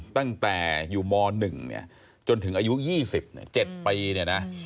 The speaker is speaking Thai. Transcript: ตั้งแต่อยู่ม๑เนี่ยจนถึงอายุ๒๗ปีเนี่ยนะ